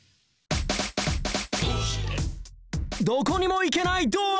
どこにも行けないドア